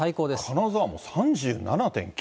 金沢も３７．９度。